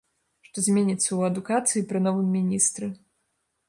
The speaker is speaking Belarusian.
Што зменіцца ў адукацыі пры новым міністры.